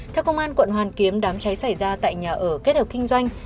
theo công an quận hoàn kiếm đám cháy xảy ra tại nhà ở kết hợp kinh doanh